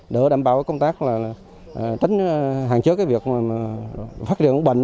đỡ đảm bảo công tác là tính hạn chế việc phát triển bệnh